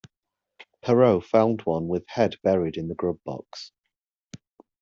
Perrault found one with head buried in the grub box.